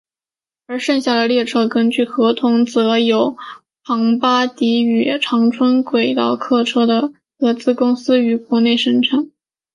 而剩下的列车根据合同则由庞巴迪与长春轨道客车的合资公司于国内生产。